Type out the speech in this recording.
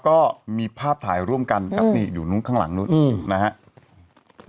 ก็มีภาพถ่ายร่วมกันกับนี่อยู่นู้นข้างหลังนู้นนะฮะ